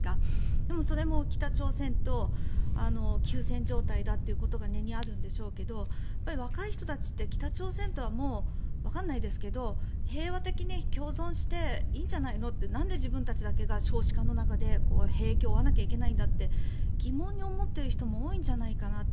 でもそれも北朝鮮と休戦状態だということが根にあるんでしょうけど若い人たちって北朝鮮とはもうわかんないですけど平和的に共存していいんじゃないのってなんで自分たちだけが少子化の中で兵役を負わなきゃいけないんだって疑問に思っている人も多いんじゃないかなって。